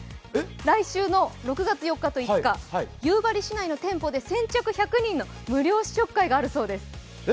来週の６月４日と５日、夕張市内の店舗で先着１００人の無料試食会があるそうです。